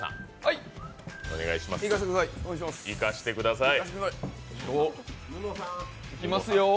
いかせてください。